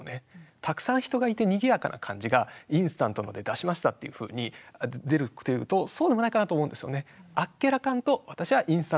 たくさん人がいてにぎやかな感じが「インスタントの」で出しましたっていうふうに出るっていうとそうでもないかなと思うんですよね。